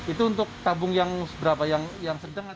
itu untuk tabung yang berapa yang sedang atau